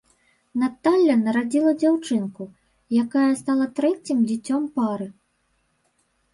Наталля нарадзіла дзяўчынку, якая стала трэцім дзіцём пары.